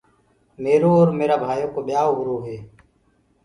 ميرو اور ميرآ ڀآئيو ڪو ٻيائوٚ هُرو هي۔